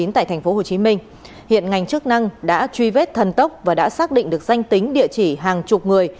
tại tp hcm hiện ngành chức năng đã truy vết thần tốc và đã xác định được danh tính địa chỉ hàng chục người